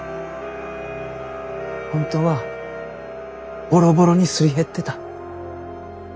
本当はボロボロにすり減ってた。